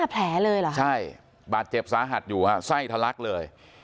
แผลเลยเหรอใช่บาดเจ็บสาหัสอยู่ฮะไส้ทะลักเลย